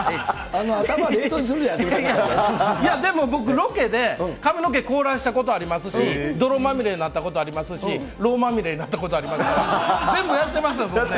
頭、でも僕、ロケで、髪の毛凍らしたことありますし、泥まみれになったことありますし、ろうまみれになったことありますから、全部やってますね。